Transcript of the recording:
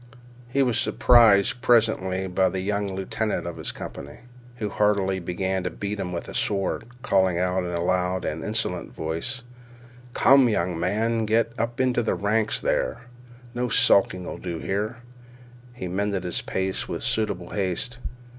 He was surprised presently by the young lieutenant of his company, who began heartily to beat him with a sword, calling out in a loud and insolent voice: "Come, young man, get up into ranks there. No skulking 'll do here." He mended his pace with suitable haste.